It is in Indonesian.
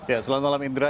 ya selamat malam indra